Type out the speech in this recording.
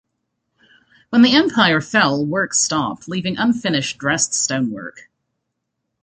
When the Empire fell, work stopped, leaving unfinished dressed stonework.